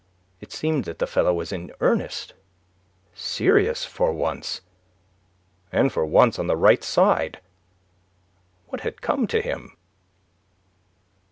It seemed that the fellow was in earnest; serious for once; and for once on the right side. What had come to him?